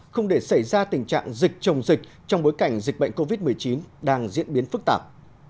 không để xảy ra tình trạng dịch trồng dịch trong bối cảnh dịch bệnh covid một mươi chín đang diễn biến phức tạp